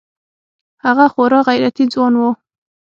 هغه خورا غيرتي ځوان و.